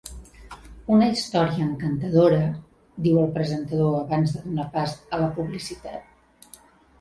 Una història encantadora, diu el presentador abans de donar pas a la publicitat.